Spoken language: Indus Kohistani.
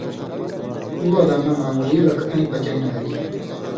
اُو علامہ معمولی لکھ اَیں پَچَیں نہ ہری